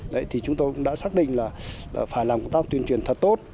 đấy thì chúng tôi cũng đã xác định là phải làm công tác tuyên truyền thật tốt